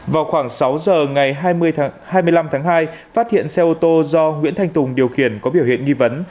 vào khoảng sáu giờ ngày hai mươi năm tháng hai phát hiện xe ô tô do nguyễn thanh tùng điều khiển có biểu hiện nghi vấn